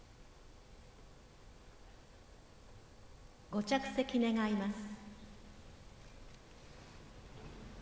ご着席願います。